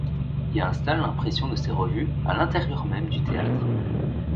Il installe l'impression de ces revues à l'intérieur même du théâtre.